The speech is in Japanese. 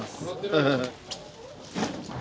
ハハハ。